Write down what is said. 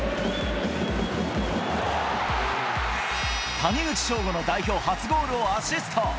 谷口彰悟の代表初ゴールをアシスト。